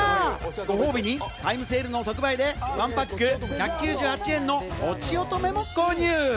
ご褒美にタイムセールの特売で、１パック１９８円のとちおとめも購入。